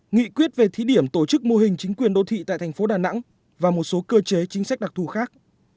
nghị quyết về thí điểm tổ chức mô hình chính quyền đô thị tại thành phố đà nẵng và một số cơ chế chính sách đặc thù khác